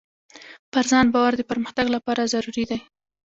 پر ځان باور د پرمختګ لپاره ضروري دی.